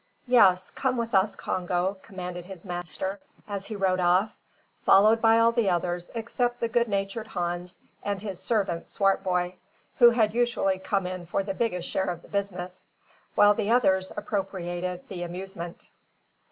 "Yes, come with us, Congo," commanded his master, as he rode off, followed by all the others except the good natured Hans and his servant Swartboy, who usually came in for the biggest share of the business, while the others appropriated the amusement.